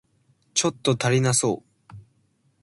ちょっと足りなそう